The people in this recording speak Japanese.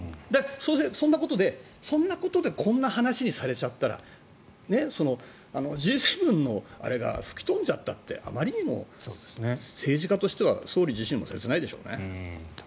そんなことでこんな話にされちゃったらＧ７のあれが吹き飛んじゃったってあまりにも政治家としては総理自身も切ないでしょうね。